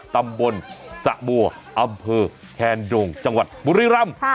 ตำบลสะบัวอำเภอแคนโดงจังหวัดบุรีรำ